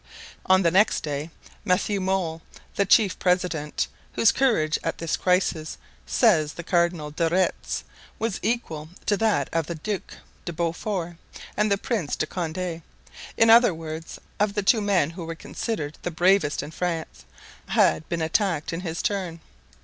On the next day Mathieu Molé, the chief president, whose courage at this crisis, says the Cardinal de Retz, was equal to that of the Duc de Beaufort and the Prince de Condé—in other words, of the two men who were considered the bravest in France—had been attacked in his turn.